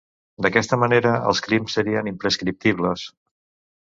D'aquesta manera, els crims serien imprescriptibles.